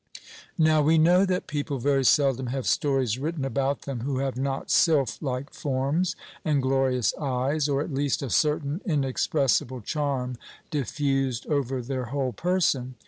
Now we know that people very seldom have stories written about them who have not sylph like forms, and glorious eyes, or, at least, "a certain inexpressible charm diffused over their whole person."